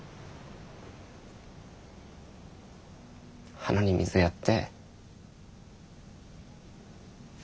花に水やって。